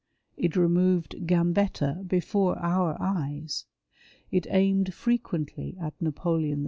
It " removed " Gambetta before our eyes. It aimed frequently at Napoleon III.